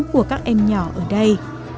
của các em nhỏ ở đây